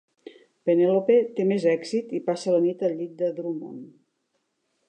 Penelope té més èxit i passa la nit al llit de Drummond.